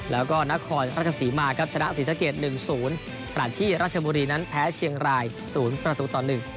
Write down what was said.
แล้วก็นครราชสีมาครับชนะศรีสะเกด๑๐ขณะที่ราชบุรีนั้นแพ้เชียงราย๐ประตูต่อ๑